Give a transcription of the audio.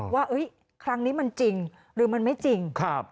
ว่าครั้งนี้มันจริงหรือมันไม่จริง